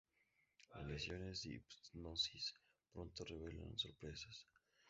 Las sesiones de hipnosis pronto revelan sorpresas.